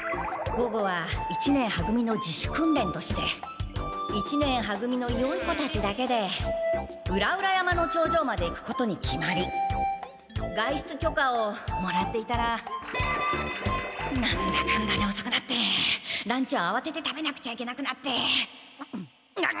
午後は一年は組の自主訓練として一年は組のよい子たちだけで裏々山の頂上まで行くことに決まり外出許可をもらっていたら何だかんだでおそくなってランチをあわてて食べなくちゃいけなくなって。